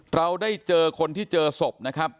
เราได้เจอคนที่เจอศพนะครับ